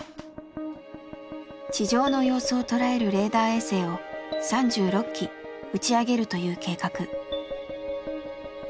地上の様子を捉えるレーダー衛星を３６機打ち上げるという計画。